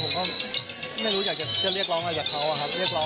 เรียกร้องไปมันก็กลับมาไม่เหมือนเดิมอีกแล้ว